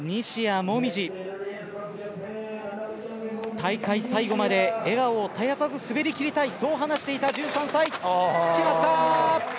大会最後まで笑顔を絶やさず滑りきりたい、そう話していた１３歳。